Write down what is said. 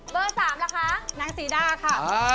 เบอ๓ละคะ๖นางสีด้าค่ะ